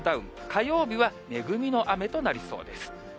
火曜日は恵みの雨となりそうです。